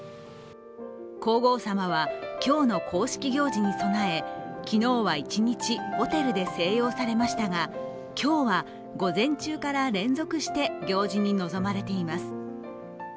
皇后さまは今日の公式行事に備え、昨日は一日、ホテルで静養されましたが今日は、午前中から連続して行事に臨まれています。